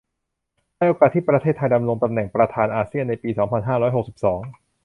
ในโอกาสที่ประเทศไทยดำรงตำแหน่งประธานอาเซียนในปีสองพันห้าร้อยหกสิบสอง